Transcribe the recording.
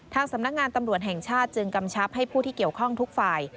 สำนักงานตำรวจแห่งชาติจึงกำชับให้ผู้ที่เกี่ยวข้องทุกฝ่าย